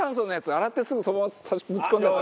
洗ってすぐそのままぶち込んじゃった。